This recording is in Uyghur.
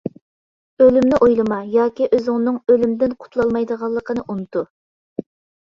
ئۆلۈمنى ئويلىما ياكى ئۆزۈڭنىڭ ئۆلۈمدىن قۇتۇلالمايدىغانلىقىنى ئۇنتۇ.